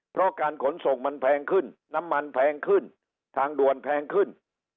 เพราะการขนส่งมันแพงขึ้นน้ำมันแพงขึ้นทางด่วนแพงขึ้น